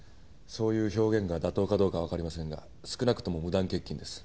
そういう表現が妥当かどうかはわかりませんが少なくとも無断欠勤です。